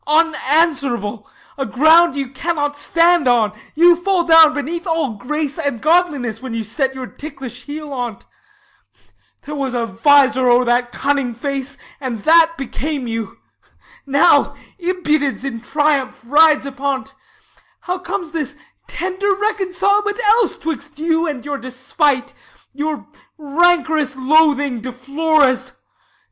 Als. Unanswerable ! A ground you cannot stand on : you fall down Beneath all grace and goodness, when you set 45 Your ticklish heel on't; there was a visor O'er that cunning face, and that became you : Now impudence in triumph rides upon't; How comes this tender reconcilement else 'Twixt you and your despite, your rancorous loathing, 50 De Flores